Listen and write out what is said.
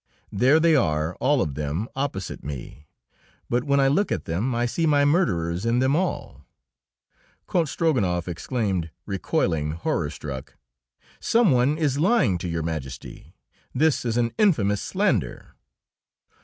There they are, all of them, opposite me; but when I look at them I see my murderers in them all." Count Strogonoff exclaimed, recoiling, horror struck: "Some one is lying to Your Majesty! This is an infamous slander!"